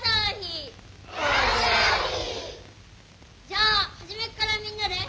じゃあ初めからみんなで。